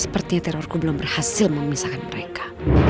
sepertinya terorku belum berhasil memisahkan mereka